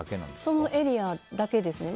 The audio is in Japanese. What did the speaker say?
そのエリアだけですね。